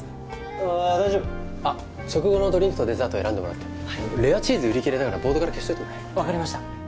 ああ大丈夫あっ食後のドリンクとデザート選んでもらってレアチーズ売り切れだからボードから消しといてもらえる分かりました